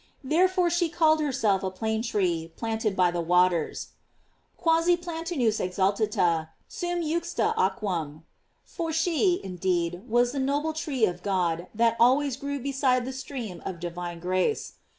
Therefore she called herself a plane tree planted by the waters: "Quasi pla tanus exaltata sum juxta aquam;"* for she, in deed, was that noble tree of God that always grew beside the stream of divine grace.